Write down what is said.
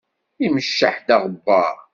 Imceḥ-d aɣebbar.